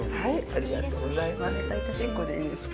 ありがとうございます。